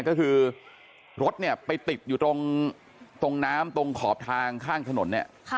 ก็คือรถเนี่ยไปติดอยู่ตรงน้ำตรงขอบทางข้างถนนเนี่ย